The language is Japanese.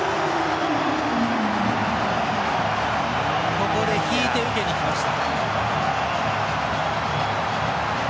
ここで引いて受けにきました。